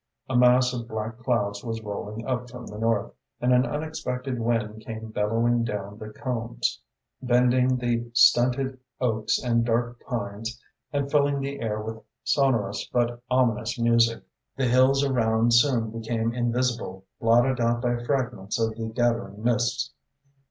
A mass of black clouds was rolling up from the north, and an unexpected wind came bellowing down the coombs, bending the stunted oaks and dark pines and filling the air with sonorous but ominous music. The hills around soon became invisible, blotted out by fragments of the gathering mists.